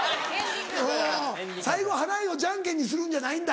最後払いをじゃんけんにするんじゃないんだ。